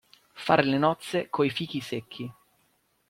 Fare le nozze coi fichi secchi.